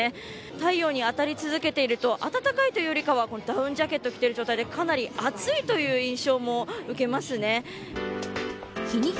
太陽に当たり続けていると暖かいというよりはダウンジャケットを着ている状態でかなり暑いという印象を受けますね。